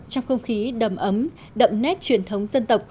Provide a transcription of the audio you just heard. trong không khí đầm ấm đậm nét truyền thống